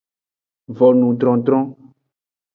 Vonudrodro.